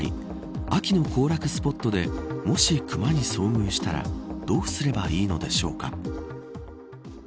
秋の行楽スポットでもし、クマに遭遇したらどうすればいいのでしょうか。